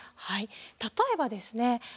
例えばですね